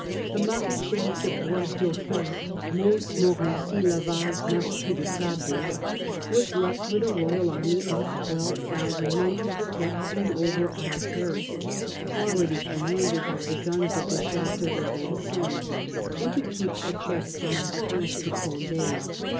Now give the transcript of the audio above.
The Marechal de Bois Dauphin (Montmorency Laval, Marquis de Sable) was left with a royal army of 12,000 men to protect and overawe Paris, already commanded by the guns of the Chateau de Vincennes, and to keep a check on the Prince de Conde.